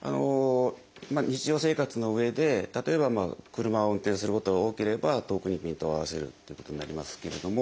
日常生活のうえで例えば車を運転することが多ければ遠くにピントを合わせるということになりますけれども。